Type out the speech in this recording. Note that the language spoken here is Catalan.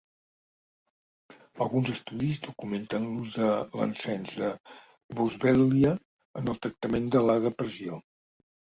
Alguns estudis documenten l'ús de l'encens de boswèl·lia en el tractament de la depressió.